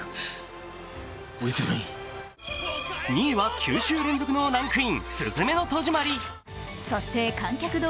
２位は９週連続のランクイン。